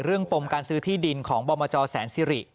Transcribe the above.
เรื่องปมการซื้อที่ดินของบแสนซิริ